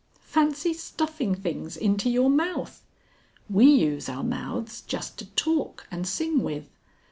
"Fancy stuffing things into your mouth! We use our mouths just to talk and sing with.